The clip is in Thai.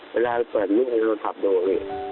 เวลาแบบนี้มันถับโดดเลย